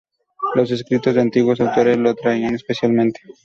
Los escritos de antiguos autores lo atraían especialmente.